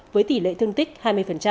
với tỷ lệ thương tích hai mươi